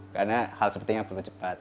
karena hal sepertinya perlu cepat